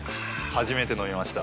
初めて飲みました。